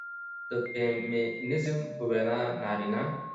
د فيمينزم په وينا نارينه